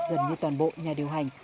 gần như toàn bộ nhà điều hành